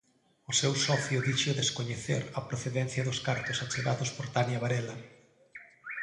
O seu socio dixo descoñecer a procedencia dos cartos achegados por Tania Varela.